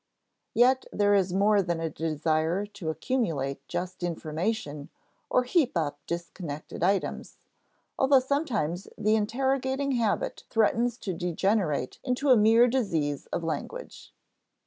Yet there is more than a desire to accumulate just information or heap up disconnected items, although sometimes the interrogating habit threatens to degenerate into a mere disease of language.